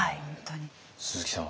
鈴木さんは？